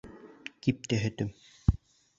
Кипте һөтөм.